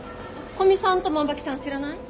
古見さんと万場木さん知らない？